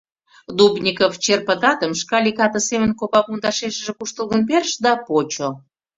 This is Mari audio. Дубников черпыт атым шкалик ате семын копа пундашешыже куштылгын перыш да почо.